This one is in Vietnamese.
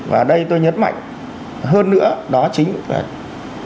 và đây tôi nhấn mạnh hơn nữa đó chính là chính quyền